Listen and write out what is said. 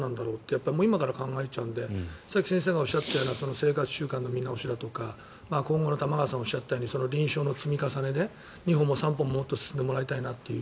やっぱり今から考えちゃうのでさっき先生がおっしゃったような生活習慣の見直しだとか今後の玉川さんがおっしゃったように臨床の積み重ねで２歩も３歩も進んでもらいたいなっていう。